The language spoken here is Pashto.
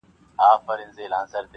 زور د ستمګر مو پر سینه وجود وېشلی دی -